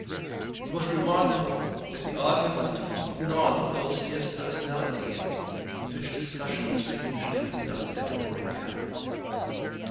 It was remarkable that the argument partook of none of those fierce personalities with which discussions were usually conducted at Roaring Camp.